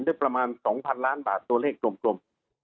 ได้ประมาณ๒๐๐๐ล้านบาทตัวเลขกลม